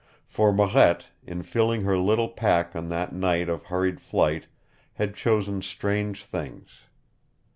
For Marette, in filling her little pack on that night of hurried flight, had chosen strange things.